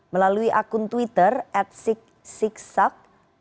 melalui akun twitter atsik enam sak